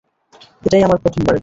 এটাই আমার প্রথমবার।